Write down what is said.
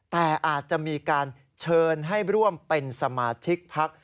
แต่อาจจะมีการเชิญให้ร่วมเป็นสมาชิกพัก